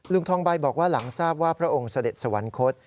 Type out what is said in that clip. ลุงทองใบบอกว่าหลังทราบว่าพระองค์เสด็จสวรรคต